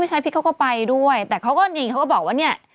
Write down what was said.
พี่ชายพิษเขาก็ไปด้วยแต่เขาก็บอกว่าเนี่ย